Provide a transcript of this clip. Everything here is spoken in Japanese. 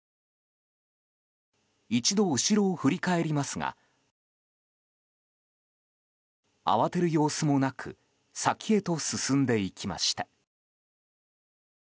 一度後ろを振り返りますが慌てる様子もなく先へと進んでいきました。